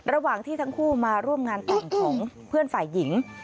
ระหว่างที่ทั้งคู่มาร่วมงานแต่งของเพื่อนฝ่ายหญิง